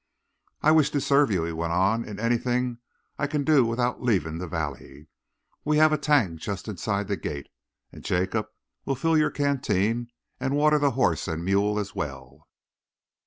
"I wish to serve you," he went on, "in anything I can do without leaving the valley. We have a tank just inside the gate, and Jacob will fill your canteen and water the horse and mule as well."